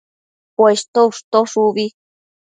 Poshto ushtosh ubi